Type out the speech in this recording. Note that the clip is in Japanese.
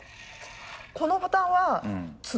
このボタンは角。